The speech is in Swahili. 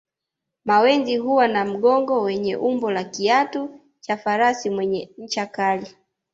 Mawenzi huwa na mgongo wenye umbo la kiatu cha farasi mwenye ncha kali